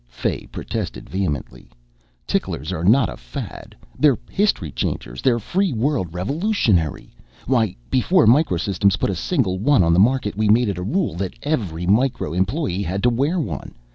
Fay protested vehemently. "Ticklers are not a fad they're history changers, they're Free World revolutionary! Why, before Micro Systems put a single one on the market, we'd made it a rule that every Micro employee had to wear one!